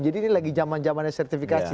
ini lagi zaman zamannya sertifikasi